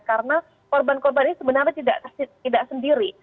karena korban korban ini sebenarnya tidak sendiri